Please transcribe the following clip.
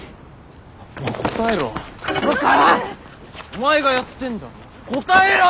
お前がやってんだろ。